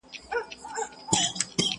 پاچهي لکه حباب نه وېشل کیږي؛